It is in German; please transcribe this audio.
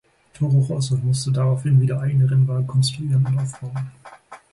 Toro Rosso musste daraufhin wieder eigene Rennwagen konstruieren und aufbauen.